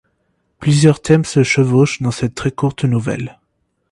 Plusieurs thèmes se chevauchent dans cette très courte nouvelle.